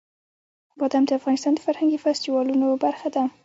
بادام د افغانستان د فرهنګي فستیوالونو برخه ده.